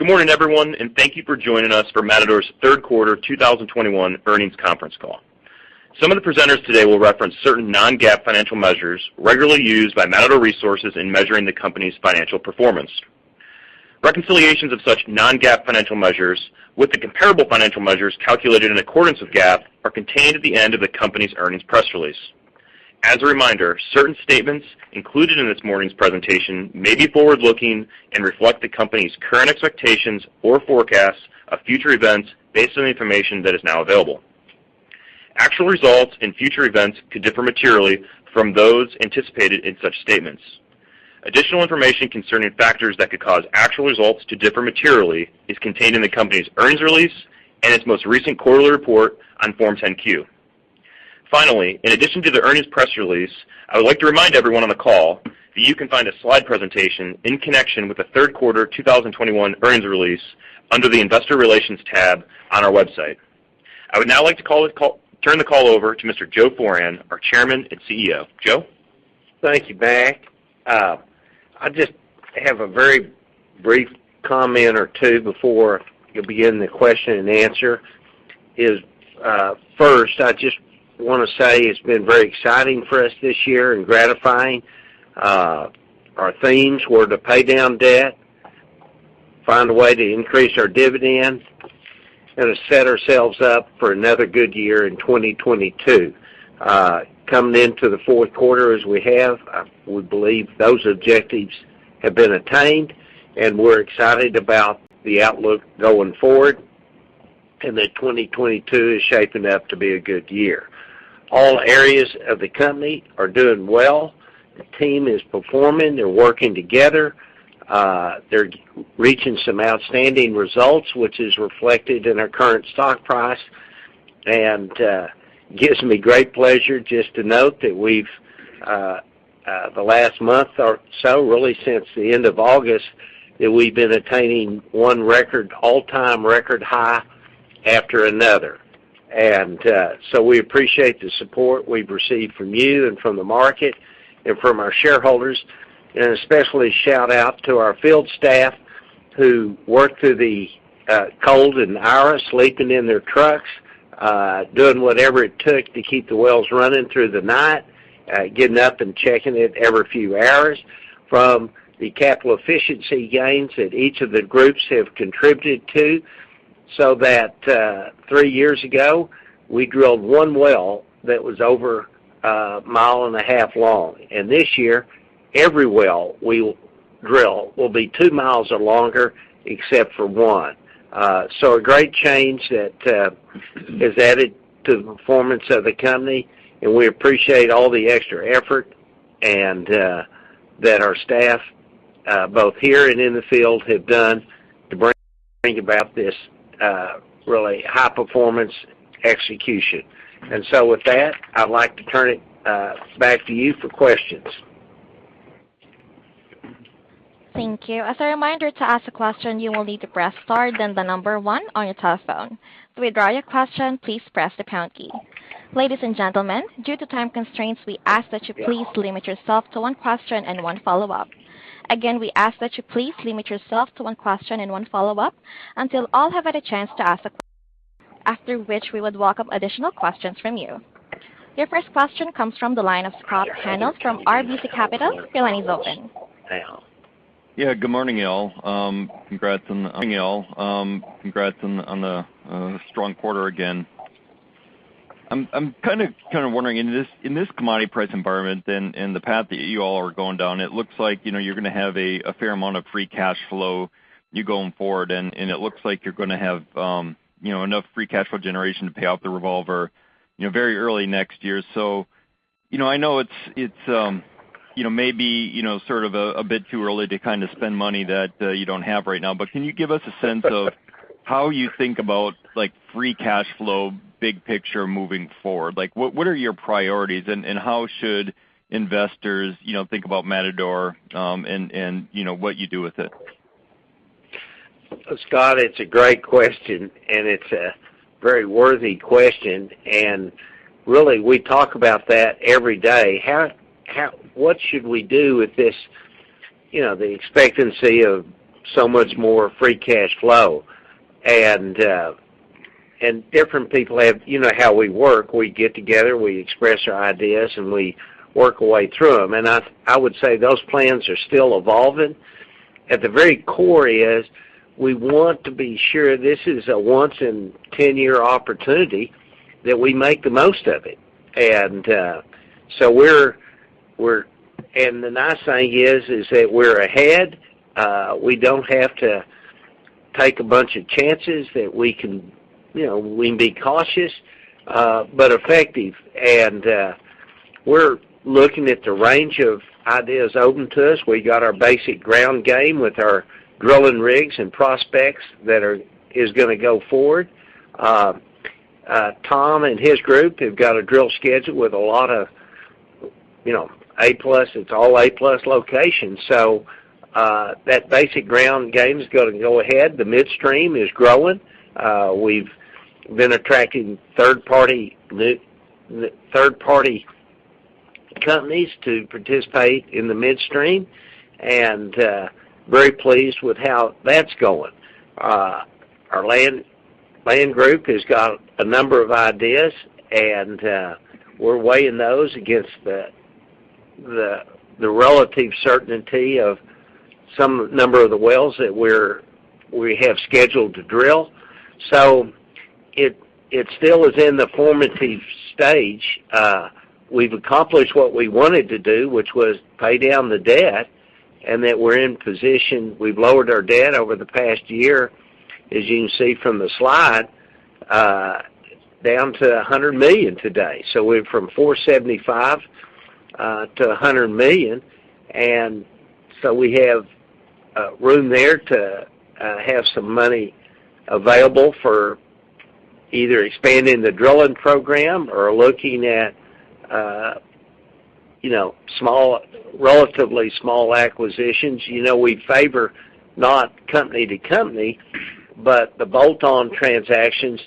Good morning, everyone, and thank you for joining us for Matador's Q3 2021 Earnings Conference Call. Some of the presenters today will reference certain non-GAAP financial measures regularly used by Matador Resources in measuring the company's financial performance. Reconciliations of such non-GAAP financial measures with the comparable financial measures calculated in accordance with GAAP are contained at the end of the company's earnings press release. As a reminder, certain statements included in this morning's presentation may be forward-looking and reflect the company's current expectations or forecasts of future events based on the information that is now available. Actual results and future events could differ materially from those anticipated in such statements. Additional information concerning factors that could cause actual results to differ materially is contained in the company's earnings release and its most recent quarterly report on Form 10-Q. Finally, in addition to the earnings press release, I would like to remind everyone on the call that you can find a slide presentation in connection with Q3 2021 earnings release under the Investor Relations tab on our website. I would now like to turn the call over to Mr. Joe Foran, our Chairman and CEO. Joe? Thank you, Mac. I just have a very brief comment or two before we begin the question and answer. First, I just wanna say it's been very exciting for us this year and gratifying. Our themes were to pay down debt, find a way to increase our dividend, and to set ourselves up for another good year in 2022. Coming into Q4 as we have, we believe those objectives have been attained, and we're excited about the outlook going forward, and that 2022 is shaping up to be a good year. All areas of the company are doing well. The team is performing. They're working together. They're reaching some outstanding results, which is reflected in our current stock price, and gives me great pleasure just to note that the last month or so, really since the end of August, that we've been attaining one record, all-time record high after another. We appreciate the support we've received from you and from the market and from our shareholders. A special shout-out to our field staff who work through the cold and hours, sleeping in their trucks, doing whatever it took to keep the wells running through the night, getting up and checking it every few hours. From the capital efficiency gains that each of the groups have contributed to, so that three years ago, we drilled one well that was over a mile and a half long. This year, every well we will drill will be 2mi or longer except for one. A great change that has added to the performance of the company, and we appreciate all the extra effort and that our staff both here and in the field have done to bring about this really high performance execution. With that, I'd like to turn it back to you for questions. Thank you. As a reminder, to ask a question, you will need to press star then one on your telephone. To withdraw your question, please press the pound key. Ladies and gentlemen, due to time constraints, we ask that you please limit yourself to one question and one follow-up. Again, we ask that you please limit yourself to one question and one follow-up until all have had a chance to ask a question, after which we would open up additional questions from you. Your first question comes from the line of Scott Hanold from RBC Capital. Your line is open. Hey. Yeah, good morning y'all. Congrats on the strong quarter again. I'm kinda wondering in this commodity price environment and the path that you all are going down. It looks like, you know, you're gonna have a fair amount of free cash flow going forward, and it looks like you're gonna have enough free cash flow generation to pay off the revolver, you know, very early next year. I know it's maybe sort of a bit too early to kinda spend money that you don't have right now, but can you give us a sense of how you think about like free cash flow, big picture moving forward? Like, what are your priorities and how should investors, you know, think about Matador and, you know, what you do with it? Scott, it's a great question, and it's a very worthy question. Really, we talk about that every day. What should we do with this, you know, the expectancy of so much more free cash flow? Different people have. You know how we work. We get together, we express our ideas, and we work our way through them. I would say those plans are still evolving. At the very core is, we want to be sure this is a once-in-10-year opportunity that we make the most of it. The nice thing is that we're ahead. We don't have to take a bunch of chances that we can, you know, we can be cautious, but effective. We're looking at the range of ideas open to us. We got our basic ground game with our drilling rigs and prospects that is gonna go forward. Tom and his group have got a drill schedule with a lot of, you know, A+, it's all A+ locations. That basic ground game is gonna go ahead. The midstream is growing. We've been attracting third party companies to participate in the midstream, and very pleased with how that's going. Our land group has got a number of ideas and we're weighing those against the relative certainty of some number of the wells that we have scheduled to drill. It still is in the formative stage. We've accomplished what we wanted to do, which was pay down the debt, and that we're in position. We've lowered our debt over the past year, as you can see from the slide, down to $100 million today. We're from $475 to 100 million. We have room there to have some money available for either expanding the drilling program or looking at, you know, relatively small acquisitions. You know, we favor not company to company, but the bolt-on transactions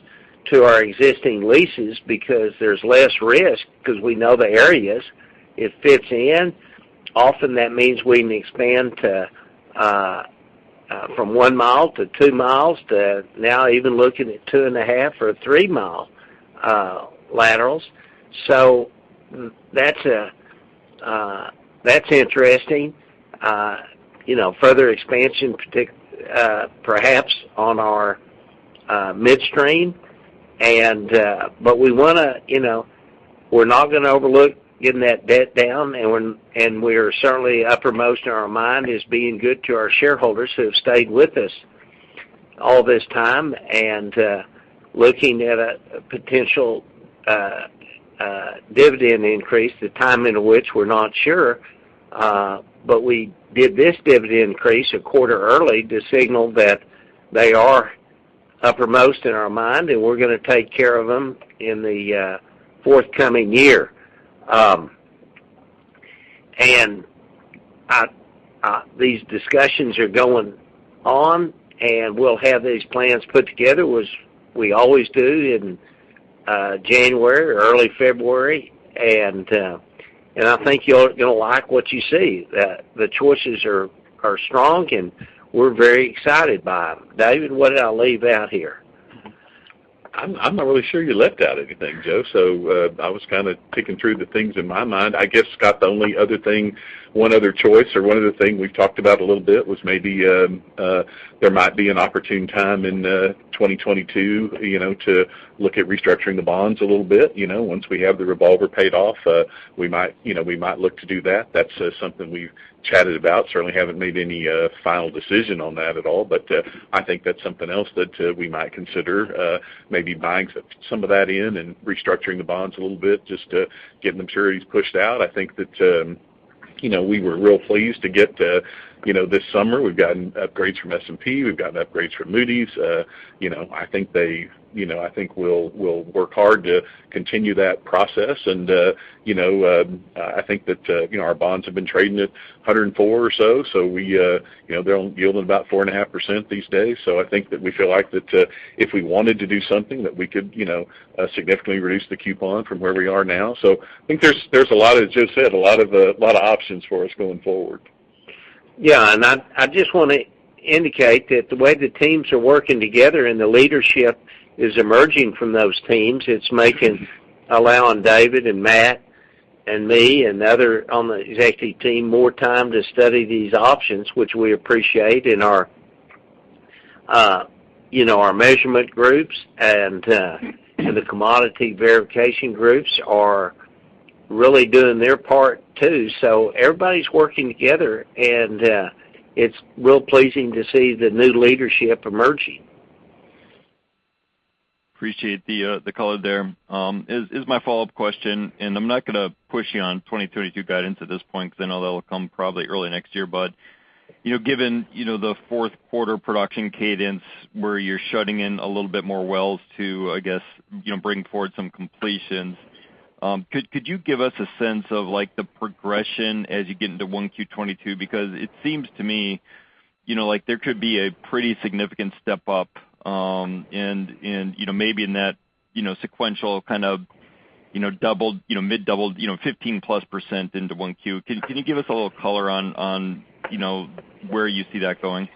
to our existing leases because there's less risk because we know the areas it fits in. Often, that means we can expand to from 1-2mi to now even looking at 2.5 or 3mi Laterals. That's interesting. You know, further expansion perhaps on our midstream. But we wanna, you know. We're not gonna overlook getting that debt down, and we're certainly uppermost in our mind is being good to our shareholders who have stayed with us all this time and looking at a potential dividend increase. The timing of which we're not sure, but we did this dividend increase a quarter early to signal that they are uppermost in our mind, and we're gonna take care of them in the forthcoming year. These discussions are going on, and we'll have these plans put together as we always do in January or early February. I think you're gonna like what you see. The choices are strong, and we're very excited by them. David, what did I leave out here? I'm not really sure you left out anything, Joe. I was kinda thinking through the things in my mind. I guess, Scott, the only other thing, one other choice or one other thing we've talked about a little bit was maybe there might be an opportune time in 2022, you know, to look at restructuring the bonds a little bit. You know, once we have the revolver paid off, we might look to do that. That's something we've chatted about. Certainly haven't made any final decision on that at all. I think that's something else that we might consider maybe buying some of that in and restructuring the bonds a little bit just to get maturities pushed out. I think that, you know, we were real pleased to get, you know, this summer, we've gotten upgrades from S&P. We've gotten upgrades from Moody's. You know, I think we'll work hard to continue that process. You know, I think that, you know, our bonds have been trading at $104 or so. So we, you know, they're only yielding about 4.5% these days. So I think that we feel like that, if we wanted to do something that we could, you know, significantly reduce the coupon from where we are now. So I think there's a lot of, as Joe said, a lot of options for us going forward. Yeah. I just wanna indicate that the way the teams are working together and the leadership is emerging from those teams, it's allowing David and Matt and me and others on the executive team more time to study these options, which we appreciate. Our you know, our measurement groups and the commodity verification groups are really doing their part too. Everybody's working together, and it's really pleasing to see the new leadership emerging. Appreciate the color there. As my follow-up question, I'm not gonna push you on 2022 guidance at this point because I know that'll come probably early next year. You know, given the fourth quarter production cadence, where you're shutting in a little bit more wells to, I guess, you know, bring forward some completions, could you give us a sense of like the progression as you get into Q1 2022? Because it seems to me, you know, like there could be a pretty significant step up, and you know, maybe in that sequential kind of doubled, mid-doubled, 15%+ into Q1. Can you give us a little color on where you see that going?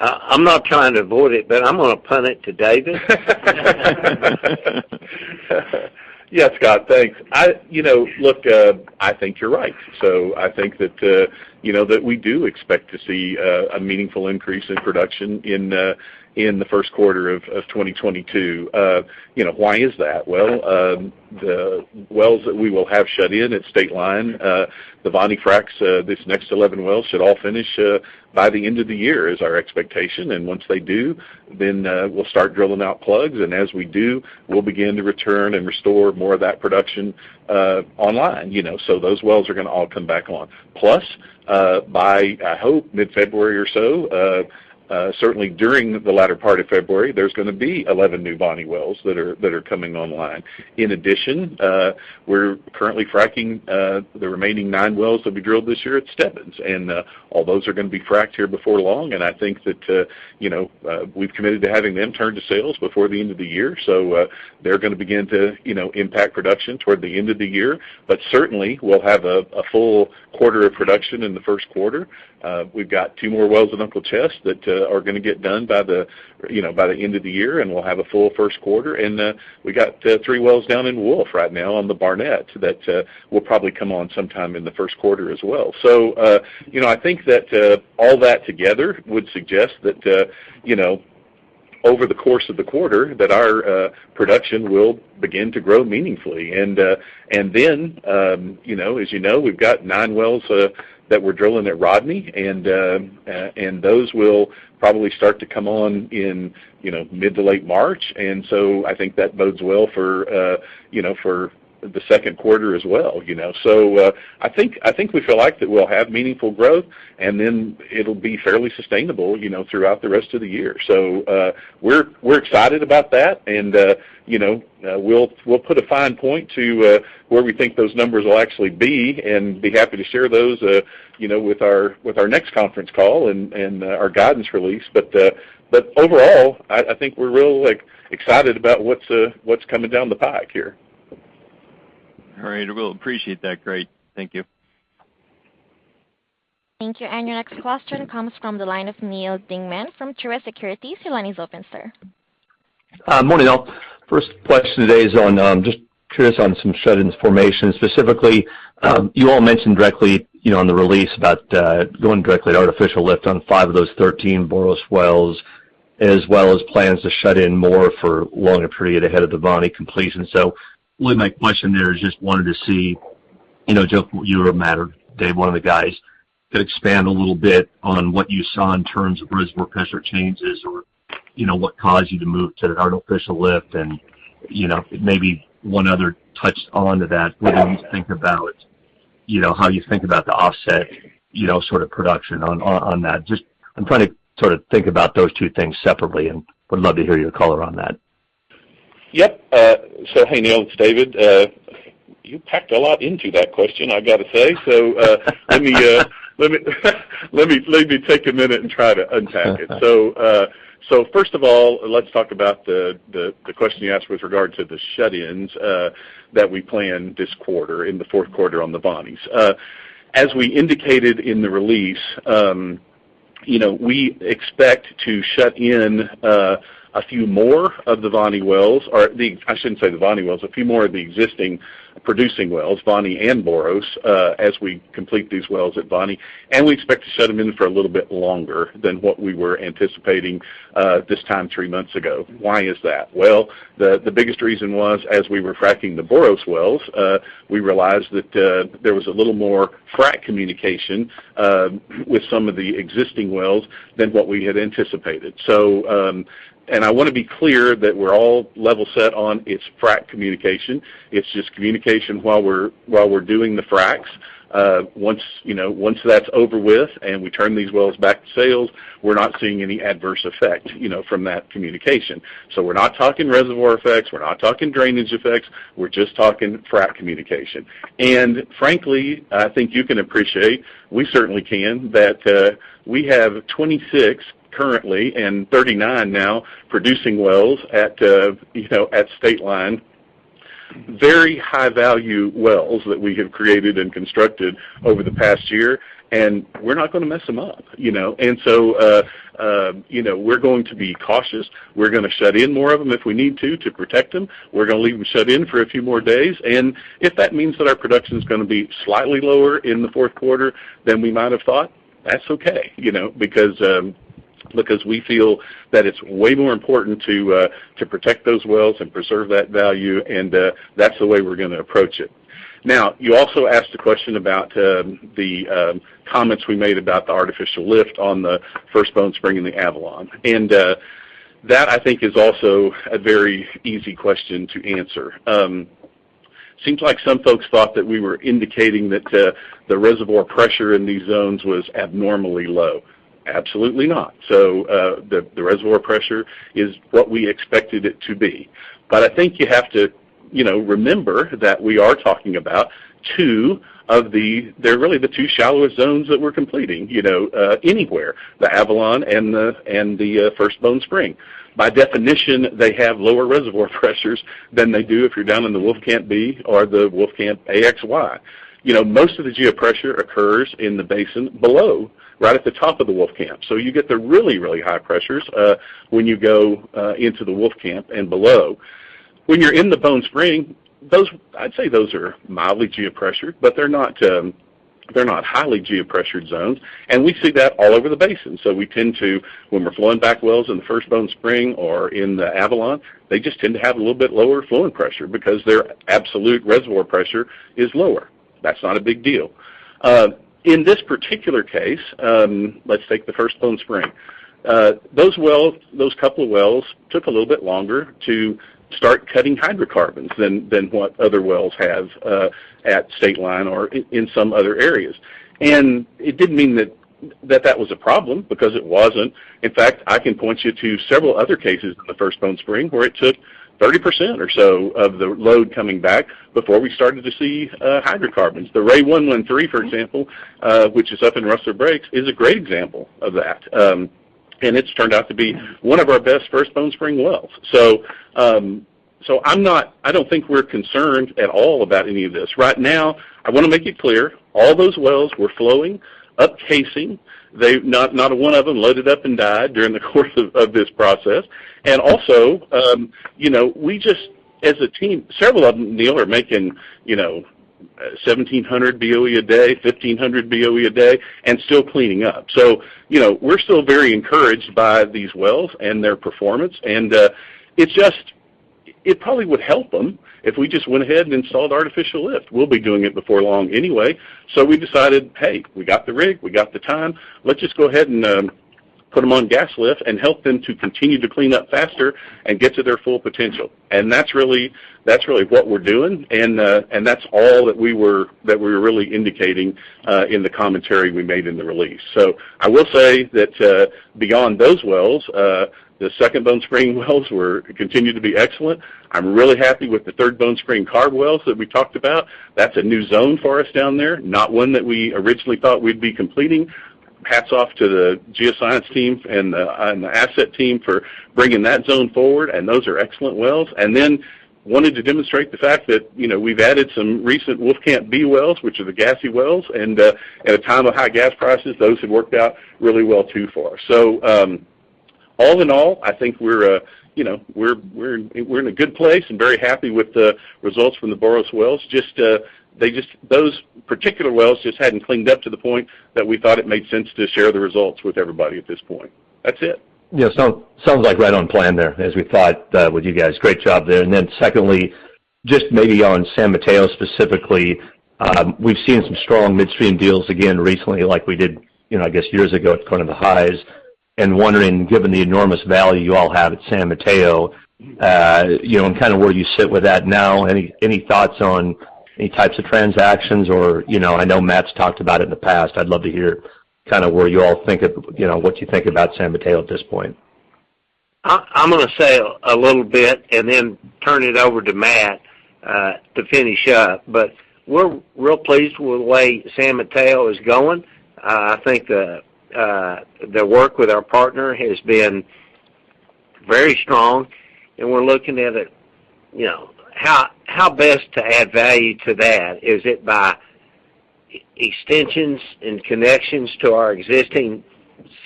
I'm not trying to avoid it, but I'm gonna pun it to David. Yeah, Scott. Thanks. You know, look, I think you're right. I think that you know that we do expect to see a meaningful increase in production in Q1 of 2022. You know, why is that? Well, the wells that we will have shut in at State Line, the Bone fracs, this next 11 wells should all finish by the end of the year is our expectation. And once they do, then we'll start drilling out plugs. And as we do, we'll begin to return and restore more of that production online. You know, so those wells are gonna all come back on. By I hope mid-February or so, certainly during the latter part of February, there's gonna be 11 new Voni wells that are coming online. In addition, we're currently fracking the remaining nine wells that we drilled this year at Stebbins. All those are gonna be fracked here before long, and I think that you know we've committed to having them turn to sales before the end of the year. They're gonna begin to you know impact production toward the end of the year. But certainly, we'll have a full quarter of production in Q1. We've got two more wells at Antelope Ridge that are gonna get done by the you know by the end of the year, and we'll have a full Q1. We got three wells down in Wolf right now on the Barnett that will probably come on sometime in the first quarter as well. You know, I think that all that together would suggest that you know, over the course of the quarter that our production will begin to grow meaningfully. Then, you know, as you know, we've got nine wells that we're drilling at Rodney, and those will probably start to come on in, you know, mid to late March. I think that bodes well for you know, for the second quarter as well, you know. I think we feel like that we'll have meaningful growth, and then it'll be fairly sustainable, you know, throughout the rest of the year. We're excited about that and, you know, we'll put a fine point to where we think those numbers will actually be and be happy to share those, you know, with our next conference call and our guidance release. Overall, I think we're really, like, excited about what's coming down the pipe here. All right. Well, appreciate that. Great. Thank you. Thank you. Your next question comes from the line of Neal Dingmann from Truist Securities. Your line is open, sir. Morning, all. First question today is on just curious on some shut-in information. Specifically, you all mentioned directly, you know, on the release about going directly to artificial lift on five of those 13 Boros wells, as well as plans to shut in more for longer period ahead of the Voni completion. Really my question there is just wanted to see, you know, Joe, you or Matt or one of the guys to expand a little bit on what you saw in terms of reservoir pressure changes or, you know, what caused you to move to an artificial lift and, you know, maybe one other touch on to that. What do you think about, you know, how you think about the offset, you know, sort of production on that? Just, I'm trying to sort of think about those two things separately and would love to hear your color on that. Yep. Hey, Neal Dingmann, it's David. You packed a lot into that question, I've got to say. Let me take a minute and try to unpack it. First of all, let's talk about the question you asked with regard to the shut-ins that we planned this quarter in Q4 on the Vonis. As we indicated in the release, you know, we expect to shut in a few more of the Voni wells, I shouldn't say the Voni wells, a few more of the existing producing wells, Voni and Boros, as we complete these wells at Voni, and we expect to shut them in for a little bit longer than what we were anticipating this time three months ago. Why is that? Well, the biggest reason was, as we were fracking the Boros wells, we realized that there was a little more frac communication with some of the existing wells than what we had anticipated. I wanna be clear that we're all level set on its frac communication. It's just communication while we're doing the fracs. Once, you know, that's over with and we turn these wells back to sales, we're not seeing any adverse effect, you know, from that communication. We're not talking reservoir effects. We're not talking drainage effects. We're just talking frac communication. Frankly, I think you can appreciate, we certainly can, that we have 26 currently and 39 now producing wells at, you know, at state line. Very high value wells that we have created and constructed over the past year, and we're not gonna mess them up, you know. We're going to be cautious. We're gonna shut in more of them if we need to protect them. We're gonna leave them shut in for a few more days. If that means that our production is gonna be slightly lower in Q4 than we might have thought, that's okay, you know, because we feel that it's way more important to protect those wells and preserve that value, and that's the way we're gonna approach it. Now, you also asked a question about the comments we made about the artificial lift on the First Bone Spring and the Avalon. That I think is also a very easy question to answer. Seems like some folks thought that we were indicating that the reservoir pressure in these zones was abnormally low. Absolutely not. The reservoir pressure is what we expected it to be. I think you have to, you know, remember that we are talking about two of the—they're really the two shallower zones that we're completing, you know, anywhere, the Avalon and the First Bone Spring. By definition, they have lower reservoir pressures than they do if you're down in the Wolfcamp B or the Wolfcamp AXY. You know, most of the geopressure occurs in the basin below, right at the top of the Wolfcamp. You get the really, really high pressures when you go into the Wolfcamp and below. When you're in the Bone Spring, I'd say those are mildly geopressured, but they're not, they're not highly geopressured zones, and we see that all over the basin. We tend to, when we're flowing back wells in the First Bone Spring or in the Avalon, they just tend to have a little bit lower flowing pressure because their absolute reservoir pressure is lower. That's not a big deal. In this particular case, let's take the First Bone Spring. Those wells, a couple of wells took a little bit longer to start cutting hydrocarbons than what other wells have at state line or in some other areas. It didn't mean that that was a problem because it wasn't. In fact, I can point you to several other cases in the First Bone Spring where it took 30% or so of the load coming back before we started to see hydrocarbons. The Ray 113, for example, which is up in Rustler Breaks, is a great example of that. It's turned out to be one of our best First Bone Spring wells. So I don't think we're concerned at all about any of this. Right now, I wanna make it clear, all those wells were flowing up casing. They, not one of them, loaded up and died during the course of this process. Also, you know, we just as a team, several of them, Neil, are making, you know, 1,700 BOE a day, 1,500 BOE a day, and still cleaning up. You know, we're still very encouraged by these wells and their performance, and it probably would help them if we just went ahead and installed artificial lift. We'll be doing it before long anyway. We decided, hey, we got the rig, we got the time, let's just go ahead and put them on gas lift and help them to continue to clean up faster and get to their full potential. That's really what we're doing, and that's all that we were really indicating in the commentary we made in the release. I will say that beyond those wells, the Second Bone Spring wells continue to be excellent. I'm really happy with the Third Bone Spring carbonate wells that we talked about. That's a new zone for us down there, not one that we originally thought we'd be completing. Hats off to the geoscience team and the asset team for bringing that zone forward, and those are excellent wells. Then wanted to demonstrate the fact that, you know, we've added some recent Wolfcamp B wells, which are the gassy wells, and at a time of high gas prices, those have worked out really well too for us. All in all, I think we're, you know, we're in a good place and very happy with the results from the Boros wells. Just, those particular wells just hadn't cleaned up to the point that we thought it made sense to share the results with everybody at this point. That's it. Yeah. Sounds like right on plan there, as we thought, with you guys. Great job there. Secondly, just maybe on San Mateo specifically, we've seen some strong midstream deals again recently like we did, you know, I guess years ago at kind of the highs. Wondering, given the enormous value you all have at San Mateo, you know, and kind of where you sit with that now, any thoughts on any types of transactions or, you know, I know Matt's talked about it in the past. I'd love to hear kind of where you all think of, you know, what you think about San Mateo at this point. I'm gonna say a little bit and then turn it over to Matt to finish up. We're real pleased with the way San Mateo is going. I think the work with our partner has been very strong, and we're looking at it, you know, how best to add value to that. Is it by extensions and connections to our existing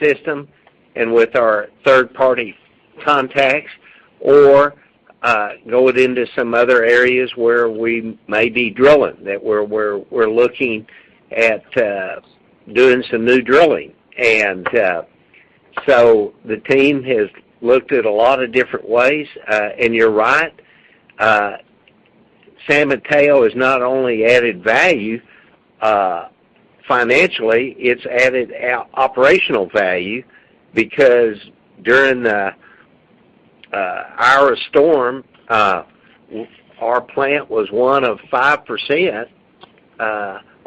system and with our third-party contacts? Or going into some other areas where we may be drilling that we're looking at doing some new drilling. The team has looked at a lot of different ways. You're right, San Mateo has not only added value, financially, it's added an operational value because during the Uri storm, our plant was one of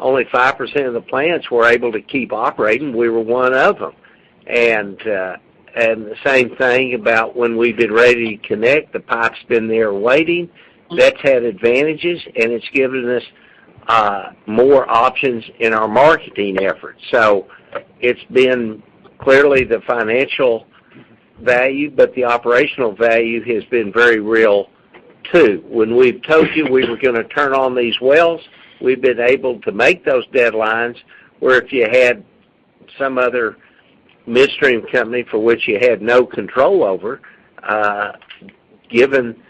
only 5% of the plants that were able to keep operating. We were one of them. The same thing about when we've been ready to connect, the pipe's been there waiting. That's had advantages, and it's given us more options in our marketing efforts. It's been clearly the financial value, but the operational value has been very real too. When we've told you we were gonna turn on these wells, we've been able to make those deadlines, where if you had some other midstream company for which you had no control over, given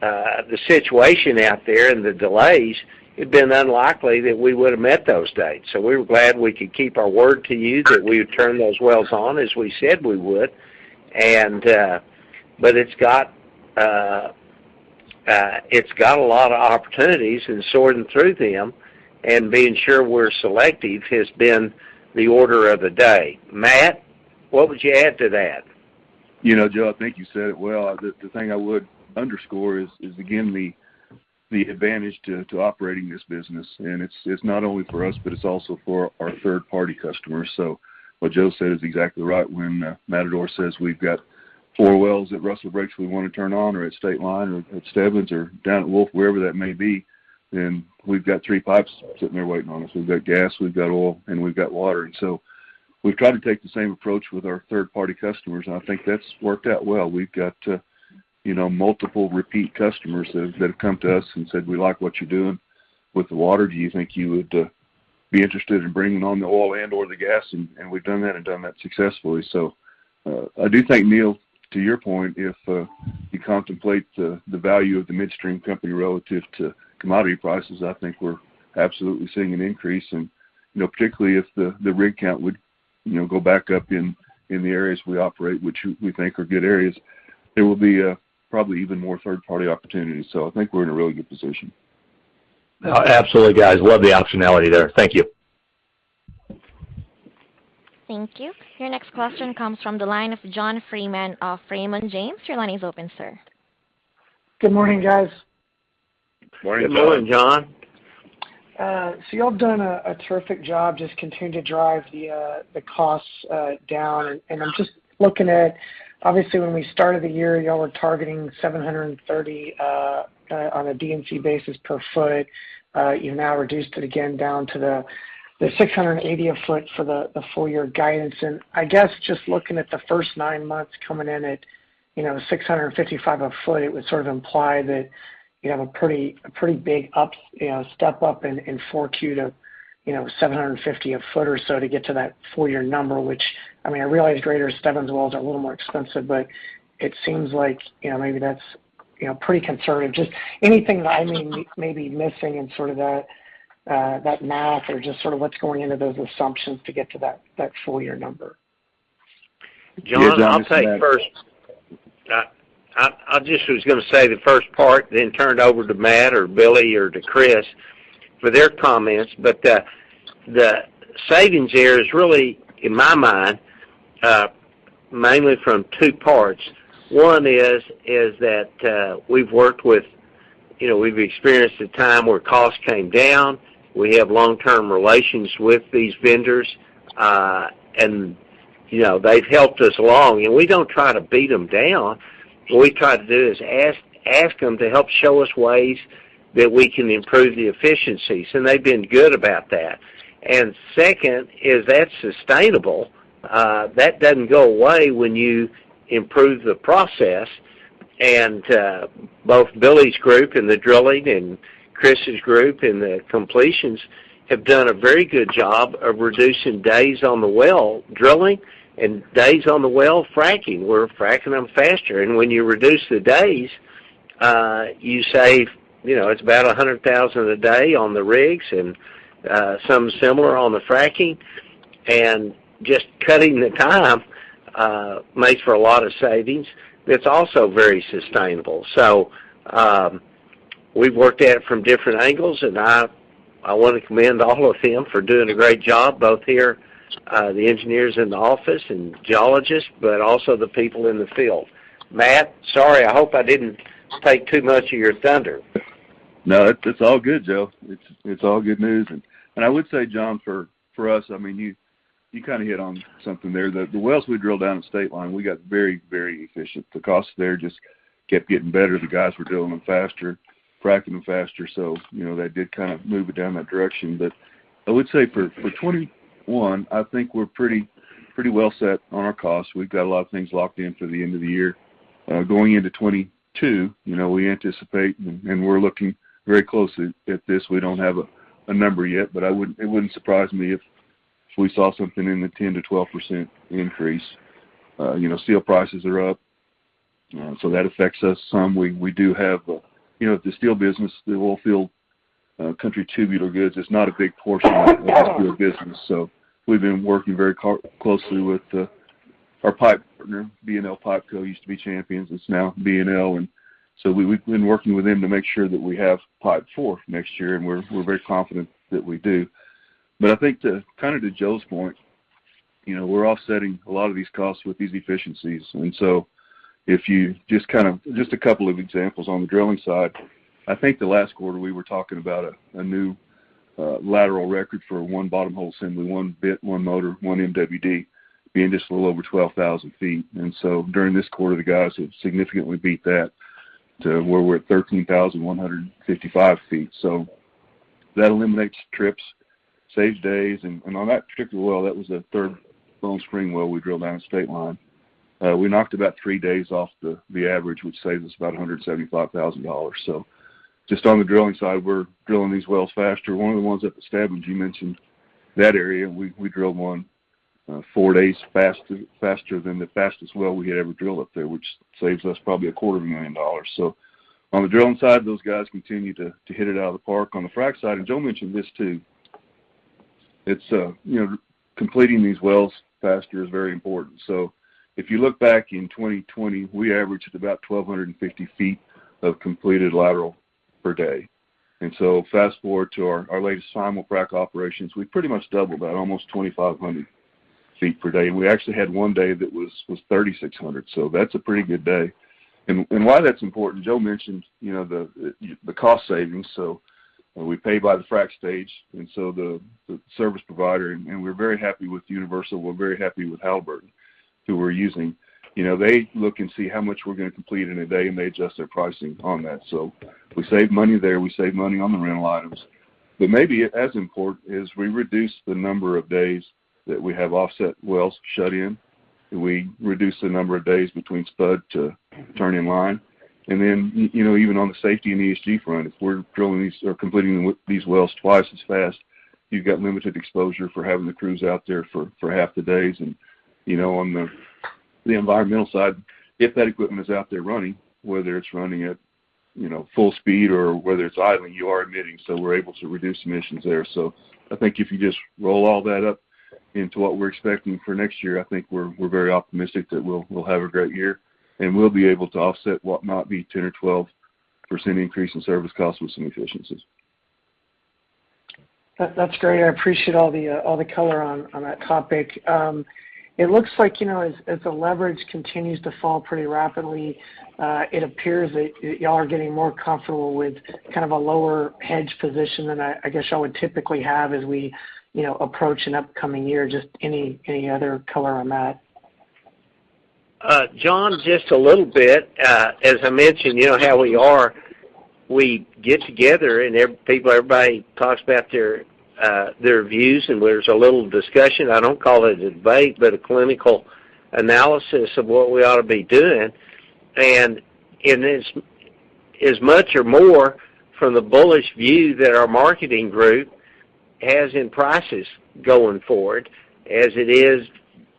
the situation out there and the delays, it'd been unlikely that we would have met those dates. We were glad we could keep our word to you that we would turn those wells on, as we said we would. It's got a lot of opportunities, and sorting through them and being sure we're selective has been the order of the day. Matt, what would you add to that? You know, Joe, I think you said it well. The thing I would underscore is again the advantage to operating this business, and it's not only for us, but it's also for our third-party customers. What Joe said is exactly right. When Matador says we've got four wells at Rustler Breaks we wanna turn on or at State Line or at Stebbins or down at Wolf, wherever that may be, then we've got three pipes sitting there waiting on us. We've got gas, we've got oil, and we've got water. We've tried to take the same approach with our third-party customers, and I think that's worked out well. You know, multiple repeat customers that have come to us and said, "We like what you're doing with the water. Do you think you would be interested in bringing on the oil and/or the gas?" We've done that successfully. I do think, Neil, to your point, if you contemplate the value of the midstream company relative to commodity prices, I think we're absolutely seeing an increase. You know, particularly if the rig count would go back up in the areas we operate, which we think are good areas, there will be probably even more third-party opportunities. I think we're in a really good position. Oh, absolutely, guys. Love the optionality there. Thank you. Thank you. Your next question comes from the line of John Freeman of Raymond James. Your line is open, sir. Good morning, guys. Morning, John. Good morning, John. You all have done a terrific job just continuing to drive the costs down. I'm just looking at, obviously, when we started the year, y'all were targeting $730 on a D&C basis per foot. You've now reduced it again down to $680 a foot for the full year guidance. I guess just looking at the first nine months coming in at, you know, $655 a foot, it would sort of imply that you have a pretty big up, you know, step up in Q4 to, you know, $750 a foot or so to get to that full year number, which, I mean, I realize Greater Stebbins wells are a little more expensive, but it seems like, you know, maybe that's, you know, pretty conservative. Just anything that I may be missing in sort of that math or just sort of what's going into those assumptions to get to that full year number. John, I'll take first. I just was gonna say the first part then turn it over to Matt or Billy or to Chris for their comments. The savings here is really, in my mind, mainly from two parts. One is that we've worked with, you know, we've experienced a time where costs came down. We have long-term relations with these vendors, and, you know, they've helped us along, and we don't try to beat them down. What we try to do is ask them to help show us ways that we can improve the efficiencies, and they've been good about that. Second is that's sustainable. That doesn't go away when you improve the process. Both Billy's group in the drilling and Chris's group in the completions have done a very good job of reducing days on the well drilling and days on the well fracking. We're fracking them faster. When you reduce the days, you save, you know, it's about $100,000 a day on the rigs and some similar on the fracking. Just cutting the time makes for a lot of savings. It's also very sustainable. We've worked at it from different angles, and I wanna commend all of them for doing a great job, both here, the engineers in the office and geologists, but also the people in the field. Matt, sorry, I hope I didn't take too much of your thunder. No, it's all good, Joe. It's all good news. I would say, John, for us, I mean, you kinda hit on something there. The wells we drill down in State Line, we got very efficient. The costs there just kept getting better. The guys were drilling them faster, fracking them faster. You know, that did kind of move it down that direction. I would say for 2021, I think we're pretty well set on our costs. We've got a lot of things locked in for the end of the year. Going into 2022, you know, we anticipate, and we're looking very closely at this. We don't have a number yet, but it wouldn't surprise me if we saw something in the 10%-12% increase. You know, steel prices are up, so that affects us some. We do have, you know, the steel business, the oil country tubular goods is not a big portion of the steel business, so we've been working very closely with our pipe partner, B&L Pipe Co, used to be Champions. It's now B&L. We've been working with them to make sure that we have pipe for next year, and we're very confident that we do. But I think kinda to Joe's point, you know, we're offsetting a lot of these costs with these efficiencies. If you just kind of just a couple of examples on the drilling side. I think the last quarter, we were talking about a new lateral record for one bottom hole assembly, one bit, one motor, one MWD, being just a little over 12,000 feet. During this quarter, the guys have significantly beat that to where we're at 13,155 feet. That eliminates trips, saves days. On that particular well, that was the Third Bone Spring well we drill down in State Line. We knocked about three days off the average, which saves us about $175,000. Just on the drilling side, we're drilling these wells faster. One of the ones up at Stebbins, you mentioned that area. We drilled one four days faster than the fastest well we had ever drilled up there, which saves us probably a quarter of a million dollars. On the drilling side, those guys continue to hit it out of the park. On the frac side, Joe mentioned this too. It's you know, completing these wells faster is very important. If you look back in 2020, we averaged about 1,250 feet of completed lateral per day. Fast-forward to our latest simul-frac operations. We pretty much doubled that, almost 2,500 feet per day. We actually had one day that was 3,600. That's a pretty good day. Why that's important, Joe mentioned, you know, the cost savings, and we pay by the frac stage. The service provider, and we're very happy with Universal, we're very happy with Halliburton, who we're using. You know, they look and see how much we're gonna complete in a day, and they adjust their pricing on that. We save money there. We save money on the rental items. Maybe as important is we reduce the number of days that we have offset wells shut in, and we reduce the number of days between spud to turn in line. You know, even on the safety and ESG front, if we're drilling these or completing these wells twice as fast, you've got limited exposure for having the crews out there for half the days. You know, on the environmental side, if that equipment is out there running, whether it's running at, you know, full speed or whether it's idling, you are emitting, so we're able to reduce emissions there. I think if you just roll all that up into what we're expecting for next year, I think we're very optimistic that we'll have a great year, and we'll be able to offset what might be 10% or 12% increase in service costs with some efficiencies. That's great. I appreciate all the color on that topic. It looks like, you know, as the leverage continues to fall pretty rapidly, it appears that y'all are getting more comfortable with kind of a lower hedge position than I guess I would typically have as we, you know, approach an upcoming year. Just any other color on that? John, just a little bit. As I mentioned, you know how we are. We get together, and everybody talks about their views, and there's a little discussion. I don't call it a debate, but a clinical analysis of what we ought to be doing. It's as much or more from the bullish view that our marketing group has on prices going forward as it is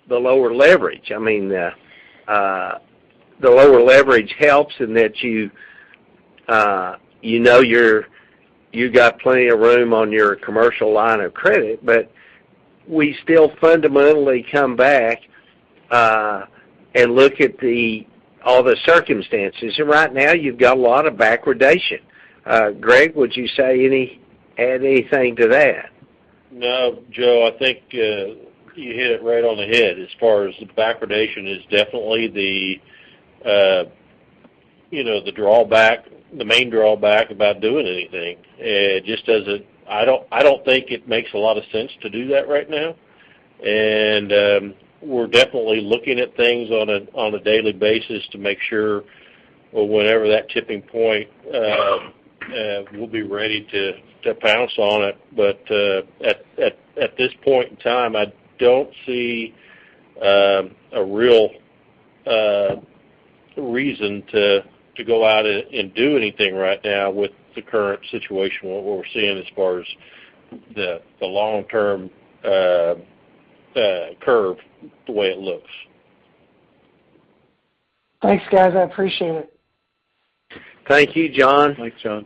the lower leverage. I mean, the lower leverage helps in that you know, you got plenty of room on your commercial line of credit, but we still fundamentally come back and look at all the circumstances. Right now, you've got a lot of backwardation. Greg, would you add anything to that? No, Joe, I think you hit it right on the head as far as the backwardation is definitely the you know, the drawback, the main drawback about doing anything. It just doesn't. I don't think it makes a lot of sense to do that right now. We're definitely looking at things on a daily basis to make sure whenever that tipping point we'll be ready to pounce on it. At this point in time, I don't see a real reason to go out and do anything right now with the current situation, what we're seeing as far as the long-term curve, the way it looks. Thanks, guys. I appreciate it. Thank you, John. Thanks, John.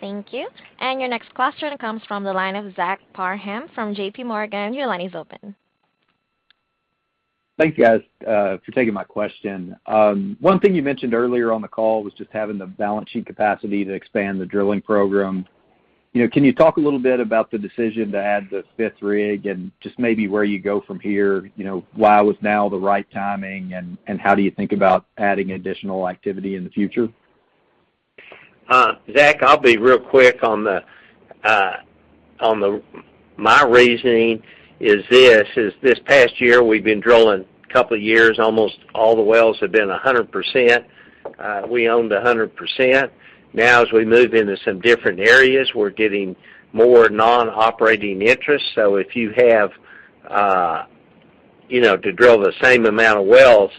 Thank you. Your next question comes from the line of Zach Parham from JPMorgan. Your line is open. Thank you guys for taking my question. One thing you mentioned earlier on the call was just having the balance sheet capacity to expand the drilling program. You know, can you talk a little bit about the decision to add the fifth rig and just maybe where you go from here? You know, why was now the right timing, and how do you think about adding additional activity in the future? Zach, I'll be real quick on that. My reasoning is this past year, we've been drilling a couple of years, almost all the wells have been 100%. We owned 100%. Now, as we move into some different areas, we're getting more non-operating interests. So if you have, you know, to drill the same amount of wells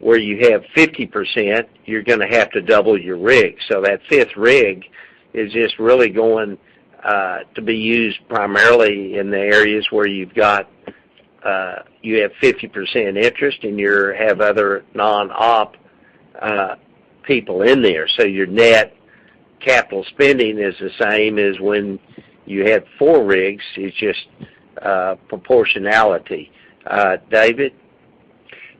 where you have 50%, you're gonna have to double your rig. So that fifth rig is just really going to be used primarily in the areas where you've got 50% interest, and you have other non-op people in there. So your net capital spending is the same as when you had four rigs. It's just proportionality. David?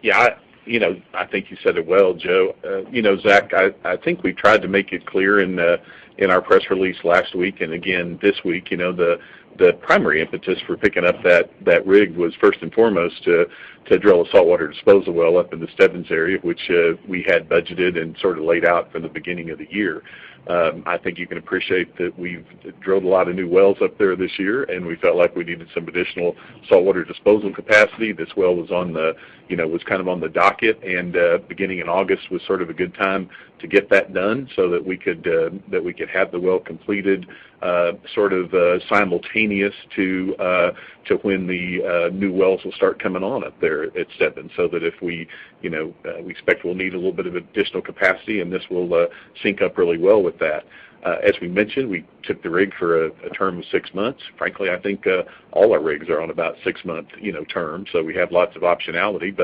Yeah, you know, I think you said it well, Joe. You know, Zach, I think we tried to make it clear in our press release last week and again this week, you know, the primary impetus for picking up that rig was first and foremost to drill a saltwater disposal well up in the Stebbins area, which we had budgeted and sort of laid out from the beginning of the year. I think you can appreciate that we've drilled a lot of new wells up there this year, and we felt like we needed some additional saltwater disposal capacity. This well was, you know, kind of on the docket, and beginning in August was sort of a good time to get that done so that we could have the well completed sort of simultaneous to when the new wells will start coming on up there at Stebbins so that if we, you know, expect we'll need a little bit of additional capacity, and this will sync up really well with that. As we mentioned, we took the rig for a term of six months. Frankly, I think all our rigs are on about six-month, you know, terms, so we have lots of optionality.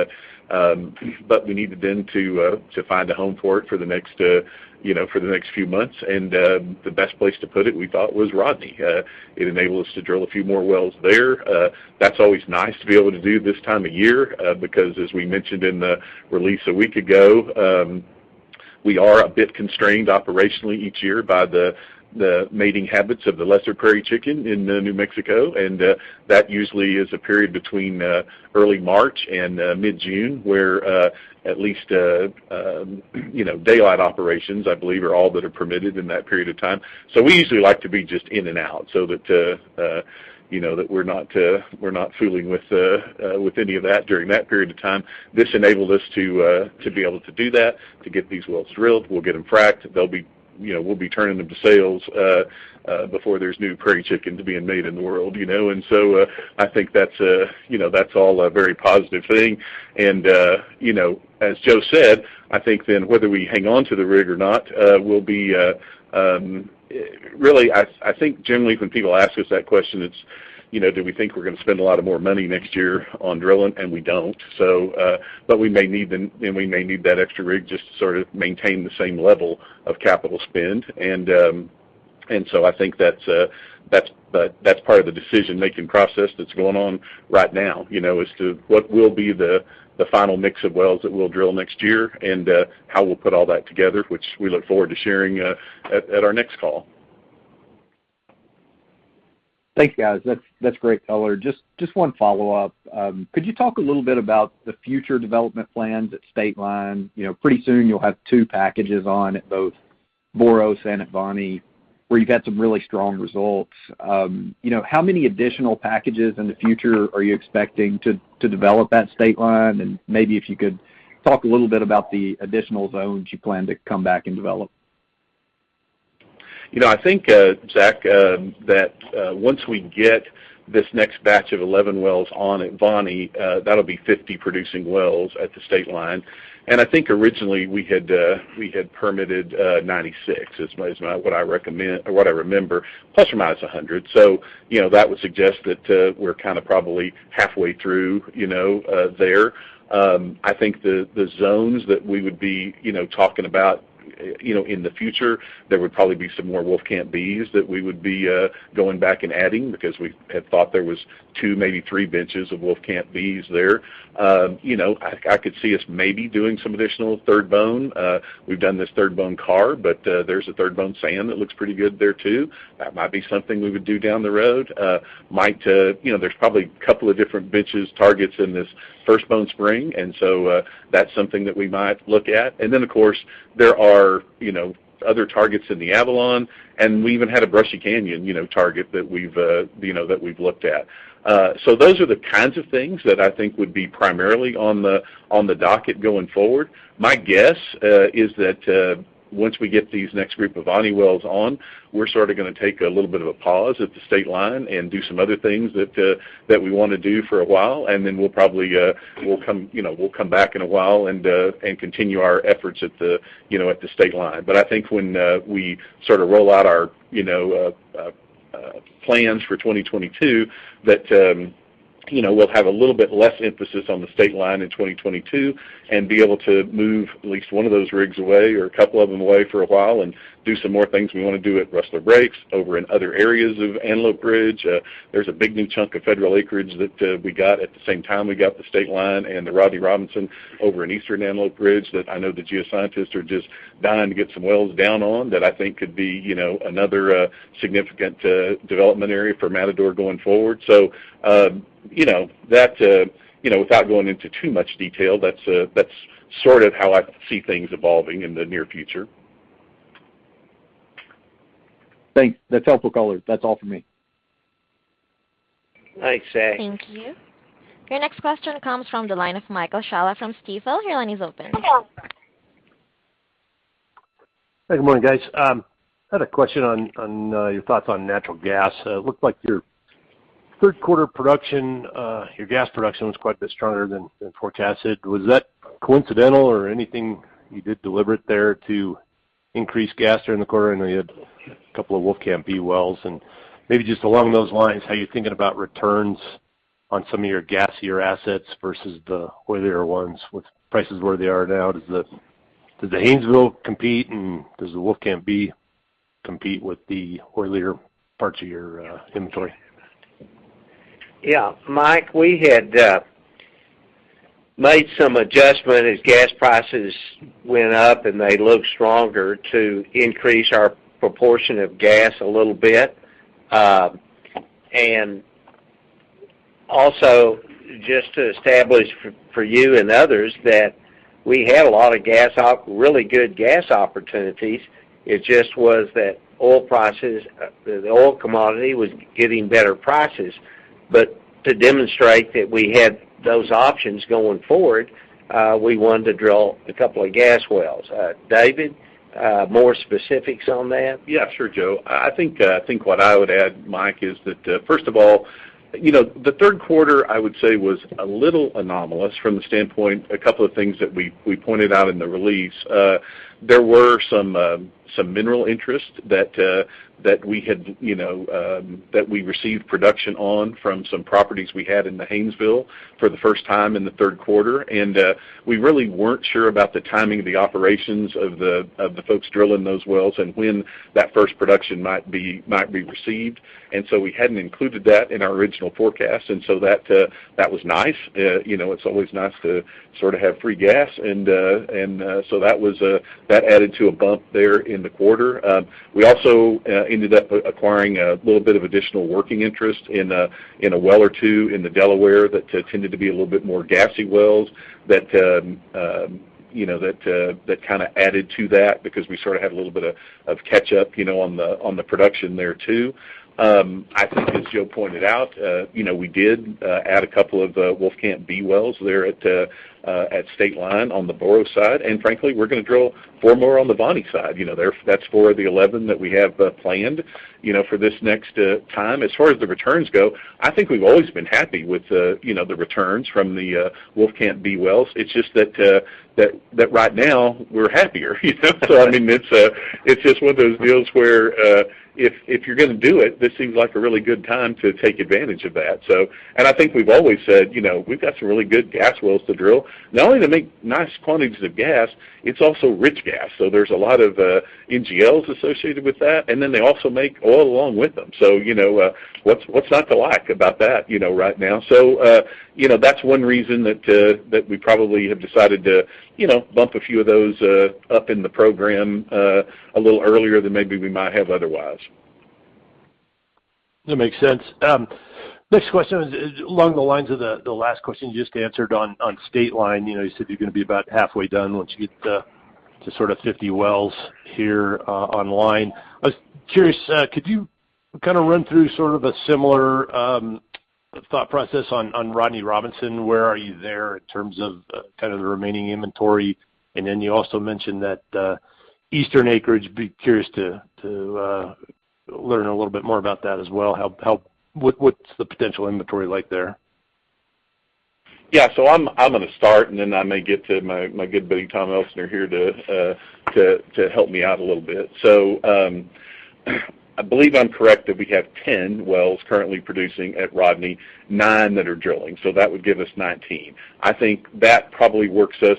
We needed then to find a home for it for the next few months, and the best place to put it, we thought, was Rodney. It enabled us to drill a few more wells there. That's always nice to be able to do this time of year because as we mentioned in the release a week ago, we are a bit constrained operationally each year by the mating habits of the Lesser Prairie-Chicken in New Mexico. That usually is a period between early March and mid-June where at least, you know, daylight operations, I believe, are all that are permitted in that period of time. We usually like to be just in and out so that, you know, that we're not fooling with any of that during that period of time. This enabled us to be able to do that, to get these wells drilled. We'll get them fracked. They'll be, you know, we'll be turning them to sales before there's new Prairie-Chicken being made in the world, you know. I think that's, you know, that's all a very positive thing. You know, as Joe said, I think then whether we hang on to the rig or not will be. Really, I think generally when people ask us that question, it's, you know, do we think we're gonna spend a lot more money next year on drilling, and we don't. We may need that extra rig just to sort of maintain the same level of capital spend. I think that's part of the decision-making process that's going on right now, you know, as to what will be the final mix of wells that we'll drill next year and how we'll put all that together, which we look forward to sharing at our next call. Thanks, guys. That's great color. Just one follow-up. Could you talk a little bit about the future development plans at State Line? You know, pretty soon you'll have two packages on at both Boros and at Voni, where you've had some really strong results. You know, how many additional packages in the future are you expecting to develop at State Line? And maybe if you could talk a little bit about the additional zones you plan to come back and develop. You know, I think, Zach, that once we get this next batch of 11 wells on at Voni, that'll be 50 producing wells at the state line. I think originally, we had permitted 96, is my what I recommend or what I remember, plus or minus 100. You know, that would suggest that we're kind of probably halfway through, you know, there. I think the zones that we would be talking about, you know, in the future, there would probably be some more Wolfcamp Bs that we would be going back and adding because we had thought there was two, maybe three benches of Wolfcamp Bs there. You know, I could see us maybe doing some additional Third Bone. We've done this Third Bone Carbonate, but there's a Third Bone Sand that looks pretty good there too. That might be something we would do down the road. You know, there's probably a couple of different benches, targets in this First Bone Spring, and so that's something that we might look at. Of course, there are, you know, other targets in the Avalon, and we even had a Brushy Canyon, you know, target that we've looked at. Those are the kinds of things that I think would be primarily on the docket going forward. My guess is that once we get these next group of Voni wells on, we're sort of gonna take a little bit of a pause at the Stateline and do some other things that we wanna do for a while, and then we'll probably come, you know, back in a while and continue our efforts at the, you know, Stateline. But I think when we sort of roll out our, you know, plans for 2022, that you know, we'll have a little bit less emphasis on the Stateline in 2022 and be able to move at least one of those rigs away or a couple of them away for a while and do some more things we wanna do at Rustler Breaks, over in other areas of Antelope Ridge. There's a big new chunk of federal acreage that we got at the same time we got the state line and the Rodney Robinson over in eastern Antelope Ridge that I know the geoscientists are just dying to get some wells down on that I think could be, you know, another significant development area for Matador going forward. You know, that, you know, without going into too much detail, that's sort of how I see things evolving in the near future. Thanks. That's helpful, color. That's all for me. Thanks, Zach. Thank you. Your next question comes from the line of Michael Scialla from Stifel. Your line is open. Hi, good morning, guys. I had a question on your thoughts on natural gas. It looked like your Q3 production, your gas production was quite a bit stronger than forecasted. Was that coincidental or anything you did deliberate there to increase gas during the quarter? I know you had a couple of Wolfcamp B wells. Maybe just along those lines, how are you thinking about returns on some of your gassier assets versus the oilier ones with prices where they are now? Does the Haynesville compete, and does the Wolfcamp B compete with the oilier parts of your inventory? Yeah. Mike, we had made some adjustment as gas prices went up, and they looked stronger to increase our proportion of gas a little bit. Also, just to establish for you and others that we had a lot of really good gas opportunities. It just was that oil prices, the oil commodity was getting better prices. But to demonstrate that we had those options going forward, we wanted to drill a couple of gas wells. David, more specifics on that? Yeah, sure, Joe. I think what I would add, Mike, is that, first of all, you know, Q3, I would say, was a little anomalous from the standpoint, a couple of things that we pointed out in the release. There were some mineral interest that we had, you know, that we received production on from some properties we had in the Haynesville for the first time in Q3. We really weren't sure about the timing of the operations of the folks drilling those wells and when that first production might be received. We hadn't included that in our original forecast, and so that was nice. You know, it's always nice to sort of have free gas, and so that added to a bump there in the quarter. We also ended up acquiring a little bit of additional working interest in a well or two in the Delaware that tended to be a little bit more gassy wells that you know that kinda added to that because we sort of had a little bit of catch up you know on the production there too. I think as Joe pointed out you know we did add a couple of Wolfcamp B wells there at State Line on the Boros side. Frankly, we're gonna drill four more on the Boros side, you know. That's four of the 11 that we have planned, you know, for this next time. As far as the returns go, I think we've always been happy with, you know, the returns from the Wolfcamp B wells. It's just that right now we're happier, you know. I mean, it's just one of those deals where if you're gonna do it, this seems like a really good time to take advantage of that, so. I think we've always said, you know, we've got some really good gas wells to drill, not only to make nice quantities of gas, it's also rich gas, so there's a lot of NGLs associated with that. Then they also make oil along with them. You know, what's not to like about that, you know, right now? You know, that's one reason that we probably have decided to, you know, bump a few of those up in the program a little earlier than maybe we might have otherwise. That makes sense. Next question is along the lines of the last question you just answered on State Line. You know, you said you're gonna be about halfway done once you get to sort of 50 wells here online. I was curious, could you kind of run through sort of a similar, The thought process on Rodney Robinson, where are you there in terms of kind of the remaining inventory? Then you also mentioned that Eastern acreage, be curious to learn a little bit more about that as well. What's the potential inventory like there? Yeah. I'm gonna start, and then I may get to my good buddy, Tom Elsener here to help me out a little bit. I believe I'm correct that we have 10 wells currently producing at Rodney, nine that are drilling, so that would give us 19. I think that probably works us,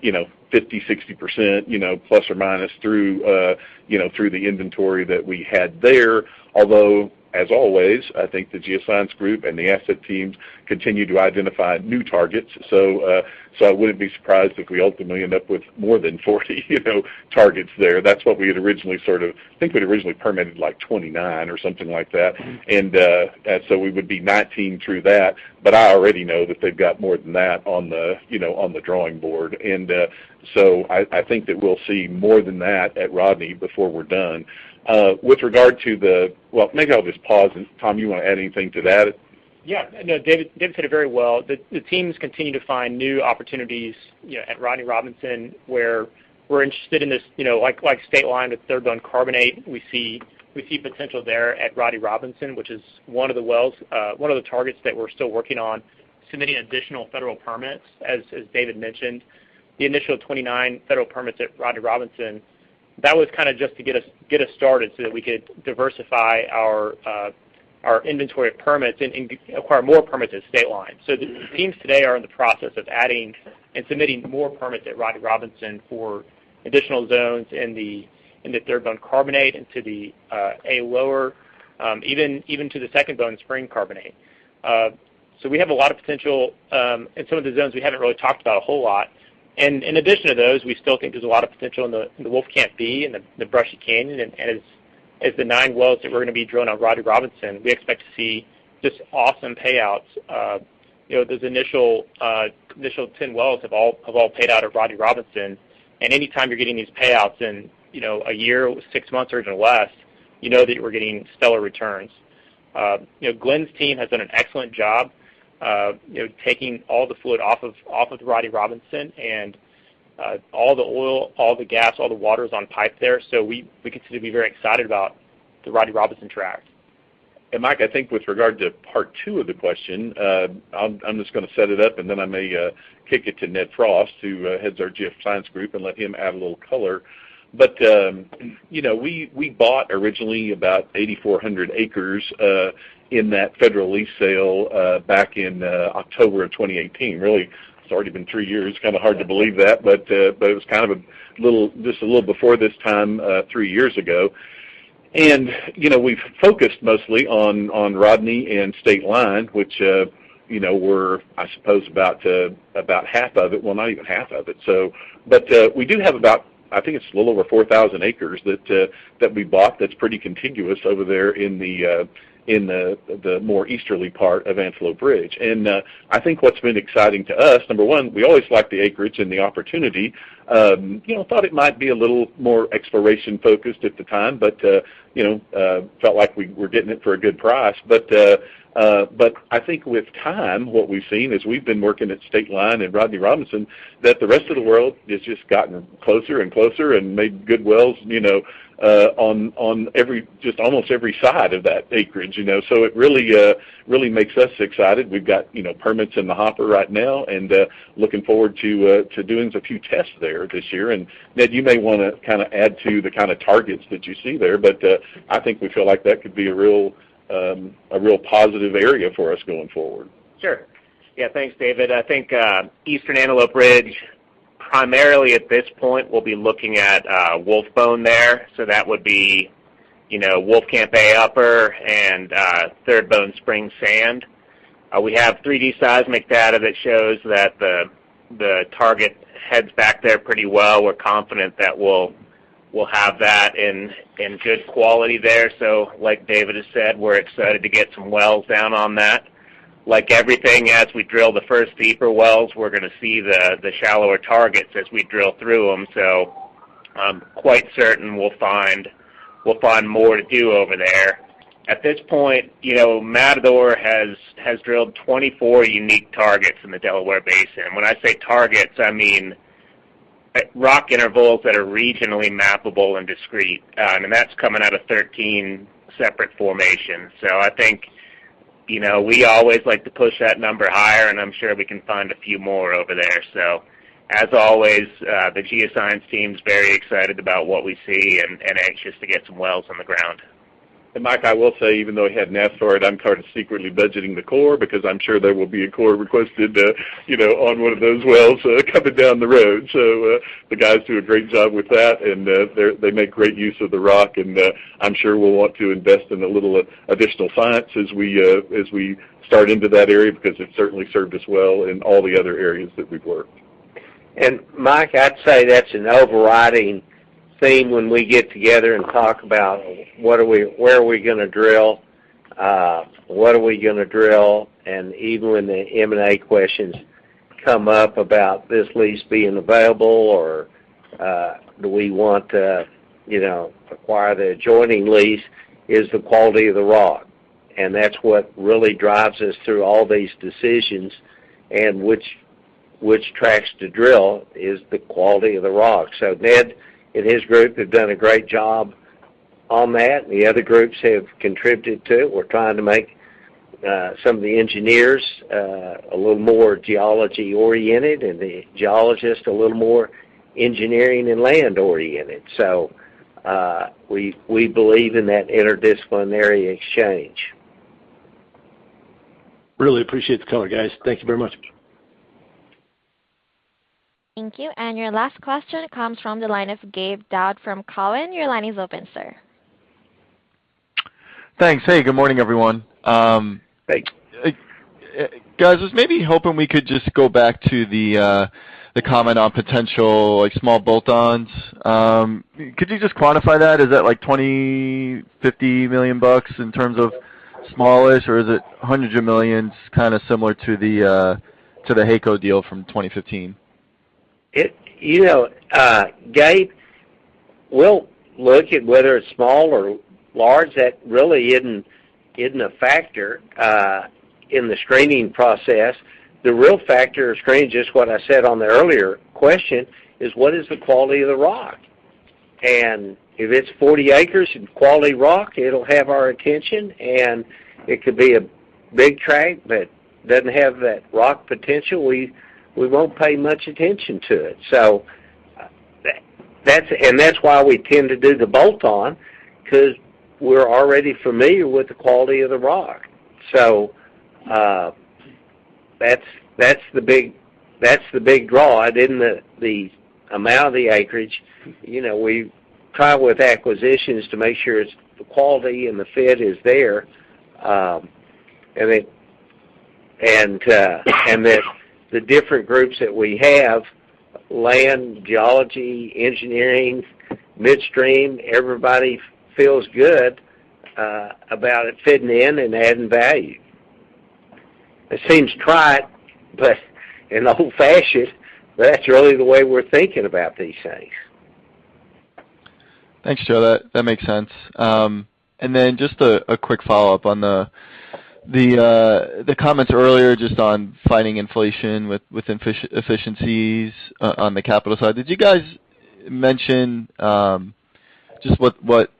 you know, 50%-60%, you know, ± through the inventory that we had there. Although, as always, I think the geoscience group and the asset teams continue to identify new targets. I wouldn't be surprised if we ultimately end up with more than 40, you know, targets there. That's what we had originally. I think we'd originally permitted, like, 29 or something like that. We would be 19 through that, but I already know that they've got more than that on the, you know, on the drawing board. I think that we'll see more than that at Rodney before we're done. Well, maybe I'll just pause. Tom, you wanna add anything to that? Yeah. No, David said it very well. The teams continue to find new opportunities, you know, at Rodney Robinson, where we're interested in this, you know, like State Line with Third Bone Spring Carbonate. We see potential there at Rodney Robinson, which is one of the wells, one of the targets that we're still working on submitting additional federal permits, as David mentioned. The initial 29 federal permits at Rodney Robinson, that was kinda just to get us started so that we could diversify our inventory of permits and acquire more permits at State Line. The teams today are in the process of adding and submitting more permits at Rodney Robinson for additional zones in the Third Bone Spring Carbonate into the Wolfcamp A lower, even to the Second Bone Spring carbonate. We have a lot of potential in some of the zones we haven't really talked about a whole lot. In addition to those, we still think there's a lot of potential in the Wolfcamp B, in the Brushy Canyon. As the nine wells that we're gonna be drilling on Rodney Robinson, we expect to see just awesome payouts. You know, those initial 10 wells have all paid out at Rodney Robinson, and anytime you're getting these payouts in a year, six months or less, you know that we're getting stellar returns. You know, Glenn's team has done an excellent job of taking all the fluid off of Rodney Robinson and all the oil, all the gas, all the water is on pipe there. We continue to be very excited about the Rodney Robinson Tract. Mike, I think with regard to part two of the question, I'm just gonna set it up, and then I may kick it to Ned Frost, who heads our geoscience group, and let him add a little color. You know, we bought originally about 8,400 acres in that federal lease sale back in October of 2018. Really, it's already been three years. It's kinda hard to believe that, but it was kind of a little, just a little before this time three years ago. You know, we've focused mostly on Rodney and State Line, which you know, we're I suppose about half of it. Well, not even half of it. We do have about, I think it's a little over 4,000 acres that we bought that's pretty contiguous over there in the more easterly part of Antelope Ridge. I think what's been exciting to us, number one, we always like the acreage and the opportunity. You know, thought it might be a little more exploration-focused at the time, but you know, felt like we were getting it for a good price. I think with time, what we've seen as we've been working at State Line and Rodney Robinson, that the rest of the world has just gotten closer and closer and made good wells, you know, on every, just almost every side of that acreage, you know? It really makes us excited. We've got, you know, permits in the hopper right now and looking forward to doing a few tests there this year. Ned, you may wanna kinda add to the kinda targets that you see there, but I think we feel like that could be a real positive area for us going forward. Sure. Yeah. Thanks, David. I think Eastern Antelope Ridge, primarily at this point, we'll be looking at Wolfbone there. So that would be, you know, Wolfcamp A Upper and Third Bone Spring Sand. We have 3D seismic data that shows that the target heads back there pretty well. We're confident that we'll have that in good quality there. So like David has said, we're excited to get some wells down on that. Like everything, as we drill the first deeper wells, we're gonna see the shallower targets as we drill through them. So I'm quite certain we'll find more to do over there. At this point, you know, Matador has drilled 24 unique targets in the Delaware Basin. When I say targets, I mean rock intervals that are regionally mappable and discrete. That's coming out of 13 separate formations. I think, you know, we always like to push that number higher, and I'm sure we can find a few more over there. As always, the geoscience team's very excited about what we see and anxious to get some wells on the ground. Mike, I will say, even though we have Ned sorted, I'm kinda secretly budgeting the core because I'm sure there will be a core requested, you know, on one of those wells, coming down the road. The guys do a great job with that, and they make great use of the rock. I'm sure we'll want to invest in a little additional science as we start into that area because it certainly served us well in all the other areas that we've worked. Mike, I'd say that's an overriding theme when we get together and talk about where are we gonna drill, what are we gonna drill, and even in the M&A questions come up about this lease being available or, do we want to, you know, acquire the adjoining lease, is the quality of the rock. That's what really drives us through all these decisions and which tracks to drill is the quality of the rock. Ned and his group have done a great job on that, and the other groups have contributed to it. We're trying to make some of the engineers a little more geology-oriented and the geologists a little more engineering and land-oriented. We believe in that interdisciplinary exchange. Really appreciate the color, guys. Thank you very much. Thank you. Your last question comes from the line of Gabriel Daoud from Cowen. Your line is open, sir. Thanks. Hey, good morning, everyone. Thanks. Guys, I was maybe hoping we could just go back to the comment on potential, like, small bolt-ons. Could you just quantify that? Is that, like, $20-$50 million in terms of smallish, or is it hundreds of millions, kind of similar to the HEYCO deal from 2015? You know, Gabe, we'll look at whether it's small or large. That really isn't a factor in the screening process. The real factor of screening, just what I said on the earlier question, is what is the quality of the rock? If it's 40 acres and quality rock, it'll have our attention. It could be a big tract that doesn't have that rock potential, we won't pay much attention to it. That's why we tend to do the bolt-on because we're already familiar with the quality of the rock. That's the big draw. It isn't the amount of the acreage. You know, we try with acquisitions to make sure it's the quality and the fit is there, and that the different groups that we have, land, geology, engineering, midstream, everybody feels good about it fitting in and adding value. It seems trite, but in the whole fashion, that's really the way we're thinking about these things. Thanks, Joe. That makes sense. Just a quick follow-up on the comments earlier just on fighting inflation with efficiencies on the capital side. Did you guys mention just what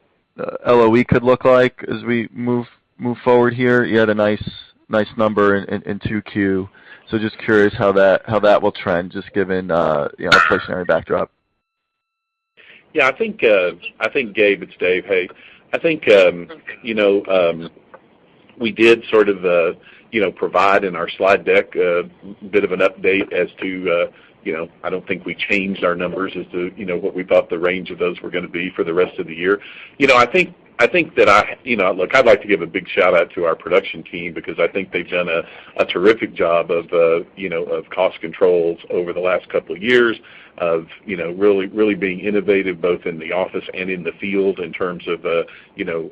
LOE could look like as we move forward here? You had a nice number in Q2. Just curious how that will trend, just given you know, inflationary backdrop. Yeah, I think, Gabe, it's Dave. Hey. I think, you know, we did sort of, you know, provide in our slide deck a bit of an update as to, you know. I don't think we changed our numbers as to, you know, what we thought the range of those were gonna be for the rest of the year. You know, I think, look, I'd like to give a big shout-out to our production team because I think they've done a terrific job of, you know, of cost controls over the last couple of years of, you know, really being innovative both in the office and in the field in terms of, you know,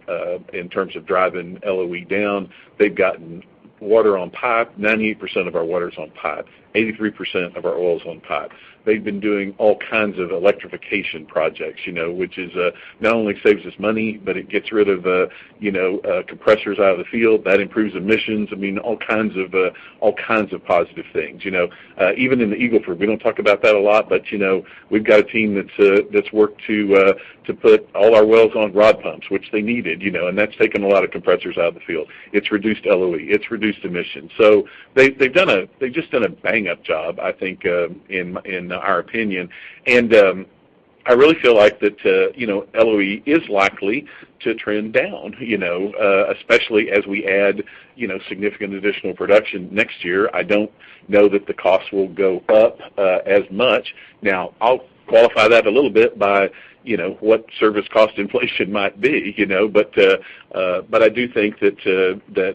in terms of driving LOE down. They've gotten water on pipe. 98% of our water's on pipe. 83% of our oil's on pipe. They've been doing all kinds of electrification projects, you know, which not only saves us money, but it gets rid of compressors out of the field. That improves emissions. I mean, all kinds of positive things, you know. Even in the Eagle Ford. We don't talk about that a lot, but, you know, we've got a team that's worked to put all our wells on rod pumps, which they needed, you know, and that's taken a lot of compressors out of the field. It's reduced LOE. It's reduced emissions. They've just done a bang-up job, I think, in our opinion. I really feel like that, you know, LOE is likely to trend down, you know, especially as we add, you know, significant additional production next year. I don't know that the cost will go up as much. Now, I'll qualify that a little bit by, you know, what service cost inflation might be, you know. I do think that, you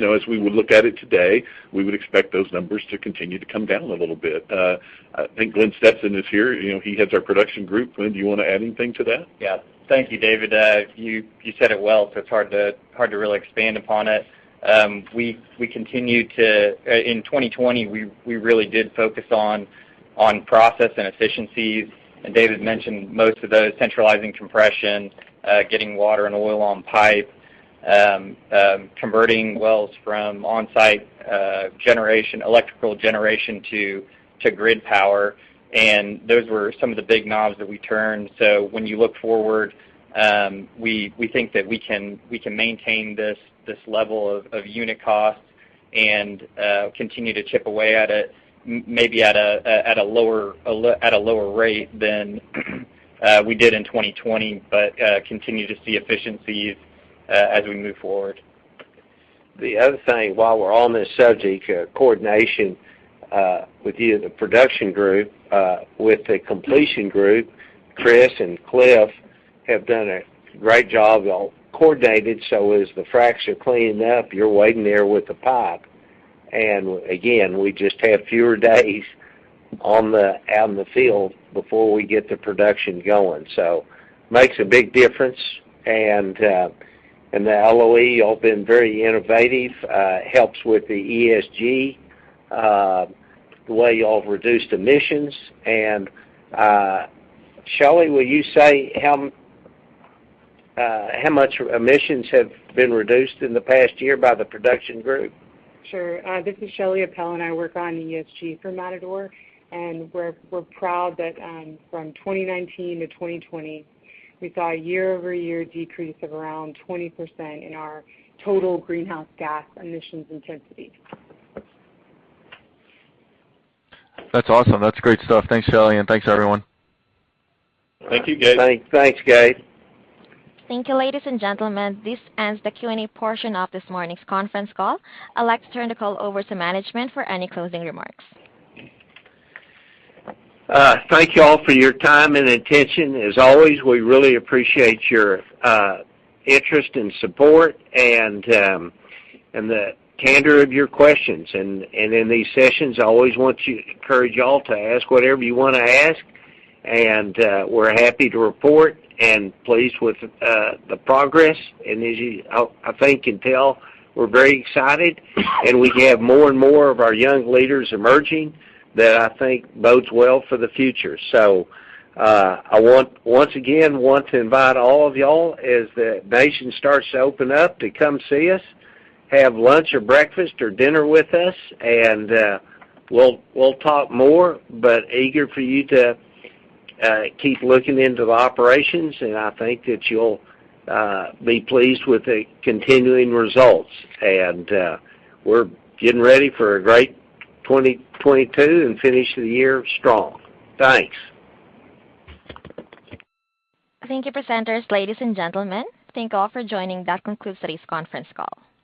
know, as we would look at it today, we would expect those numbers to continue to come down a little bit. I think Glenn Stetson is here. You know, he heads our production group. Glenn, do you wanna add anything to that? Yeah. Thank you, David. You said it well, so it's hard to really expand upon it. In 2020, we really did focus on process and efficiencies, and David mentioned most of those, centralizing compression, getting water and oil on pipe, converting wells from on-site electrical generation to grid power. Those were some of the big knobs that we turned. When you look forward, we think that we can maintain this level of unit cost and continue to chip away at it, maybe at a lower rate than we did in 2020, but continue to see efficiencies as we move forward. The other thing, while we're on this subject, coordination with the production group with the completion group, Chris and Cliff have done a great job of coordinating, so as the fracs are cleaning up, you're waiting there with the pipe. Again, we just have fewer days out in the field before we get the production going. Makes a big difference. The LOE all been very innovative, helps with the ESG, the way y'all have reduced emissions. Shelley, will you say how much emissions have been reduced in the past year by the production group? Sure. This is Shelley Appel, and I work on ESG for Matador, and we're proud that, from 2019 to 2020, we saw a year-over-year decrease of around 20% in our total greenhouse gas emissions intensity. That's awesome. That's great stuff. Thanks, Shelley, and thanks, everyone. Thank you, Gabe. Thank you, ladies and gentlemen. This ends the Q&A portion of this morning's conference call. I'd like to turn the call over to management for any closing remarks. Thank you all for your time and attention. As always, we really appreciate your interest and support and the candor of your questions. In these sessions, I always want to encourage y'all to ask whatever you wanna ask, and we're happy to report and pleased with the progress. As you, I think, can tell, we're very excited, and we have more and more of our young leaders emerging that I think bodes well for the future. Once again, want to invite all of y'all as the nation starts to open up, to come see us, have lunch or breakfast or dinner with us, and we'll talk more, but eager for you to keep looking into the operations, and I think that you'll be pleased with the continuing results. We're getting ready for a great 2022 and finish the year strong. Thanks. Thank you, presenters. Ladies and gentlemen, thank you all for joining. That concludes today's conference call.